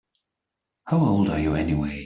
How old are you anyway?